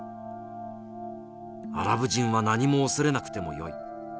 アラブ人は何も恐れなくてもよい。